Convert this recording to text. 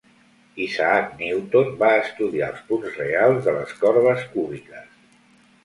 Isaac Newton va estudiar els punts reals de les corbes cúbiques.